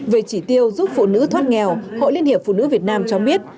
về chỉ tiêu giúp phụ nữ thoát nghèo hội liên hiệp phụ nữ việt nam cho biết